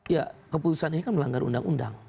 ya keputusan ini kan melanggar undang undang